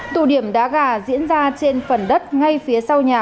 tụ điểm đá gà diễn ra trên phần đất ngay phía sau nhà